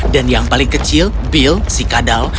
dan yang paling kecil bill si kadal